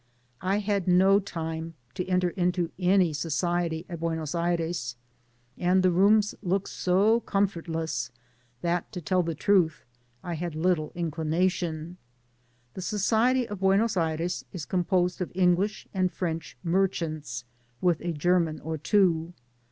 I had no time to] enter into any society at Buenos Aires, and the rooms looked so comfortlessi that^ to tell the truth, I had little indinaticm. The society of Buenos Aires is composed of English and^French merchants, with a German or two.